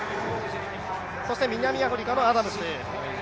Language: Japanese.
そして南アフリカのアダムス。